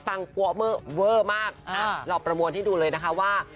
ฝั่งกลัวเมอร์เวอร์มากเราประมวลที่ดูเลยนะคะว่า